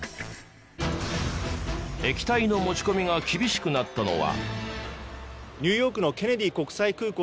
液体の持ち込みが厳しくなったのは。